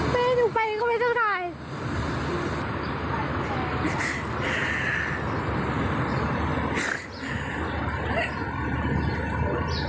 ผู้ลิสารคนอื่นช่วยให้มันเกิดมาก